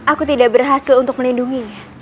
aku tidak berhasil untuk melindunginya